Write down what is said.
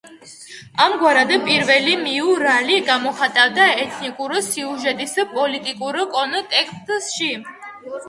ამგვარად, პირველი მიურალი გამოხატავდა ეთნიკურ სიუჟეტს პოლიტიკურ კონტექსტში.